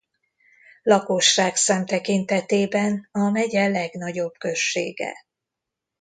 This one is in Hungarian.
Lakosságszám tekintetében a megye legnagyobb községe.